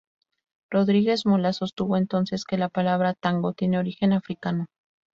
Rodríguez Molas sostuvo entonces que la palabra "tango" tiene origen africano.